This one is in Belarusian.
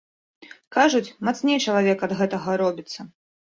Кажуць, мацней чалавек ад гэтага робіцца.